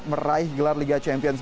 meraih gelar liga champions